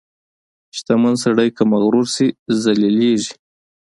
• شتمن سړی که مغرور شي، ذلیلېږي.